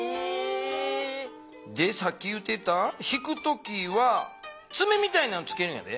さっき言うてたひく時はツメみたいなのつけるんやで。